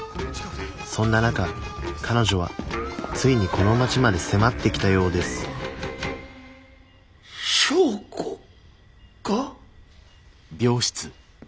そんな中彼女はついにこの町まで迫ってきたようです昭子か？